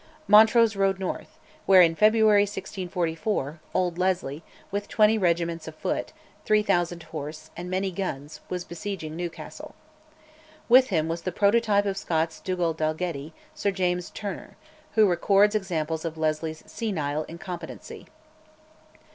Montrose rode north, where, in February 1644, old Leslie, with twenty regiments of foot, three thousand horse, and many guns, was besieging Newcastle. With him was the prototype of Scott's Dugald Dalgetty, Sir James Turner, who records examples of Leslie's senile incompetency.